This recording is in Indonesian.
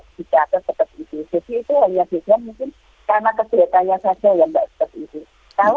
jadi itu hanya mungkin karena kesehatannya saja yang tidak seperti itu